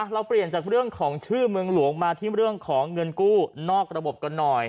เราเปลี่ยนจากเรื่องของชื่อเมืองหลวงมาที่เรื่องของเงินกู้นอกระบบกันหน่อย